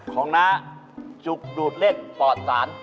ของนะจุกดูดเล็กปลอดสาร